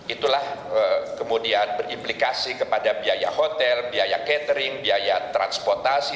itulah kemudian berimplikasi kepada biaya hotel biaya catering biaya transportasi